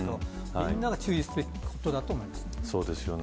みんなが注意すべきことだと思います。